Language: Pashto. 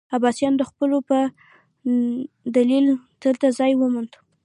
عباسیانو د خلکو په دلیل دلته ځای وموند.